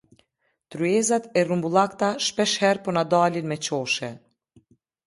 Tryezat e rrumbullakëta shpeshherë po na dalin me qoshe.